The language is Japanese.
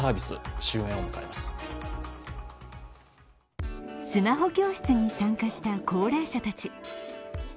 スマホ教室に参加した高齢者たち。